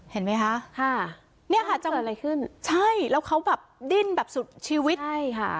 เห็นไหมคะค่ะใช่แล้วเขาแบบดิ้นแบบสุดชีวิตใช่ค่ะ